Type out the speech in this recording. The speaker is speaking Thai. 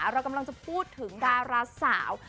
เรากำลังจะพูดถึงดาราสาว